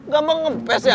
gampang kempes ya